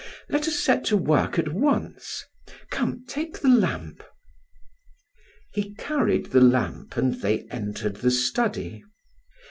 Let us set to work at once. Come, take the lamp." He carried the lamp and they entered the study.